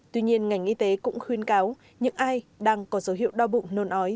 tuy nhiên ngành y tế cũng khuyên cáo những ai đang có dấu hiệu đo bụng nôn ói